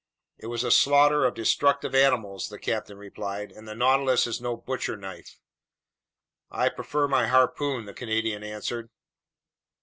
"It was a slaughter of destructive animals," the captain replied, "and the Nautilus is no butcher knife." "I prefer my harpoon," the Canadian answered.